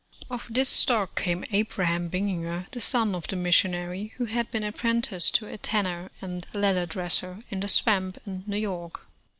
Of this stock came Abraham Bininger, the son of th?. missionary, who had been apprenticed to a tanner and leather dresser in "the Swamp" in New York.